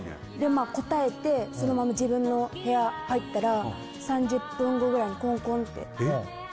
まあ答えてそのまま自分の部屋入ったら３０分後ぐらいにコンコンってえっ？